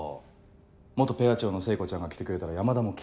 元ペア長の聖子ちゃんが来てくれたら山田もきっと喜ぶからねっ。